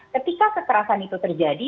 ketika keterasan itu terjadi